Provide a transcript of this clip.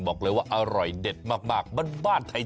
บอกเลยว่าอร่อยเด็ดมากบ้านไทย